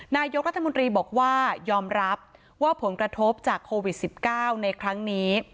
นายกรัฐมนตรีบอกว่ายอมรับว่าผลกระทบจากโควิด๑๙ในครั้งนี้